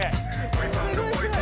すごいすごい。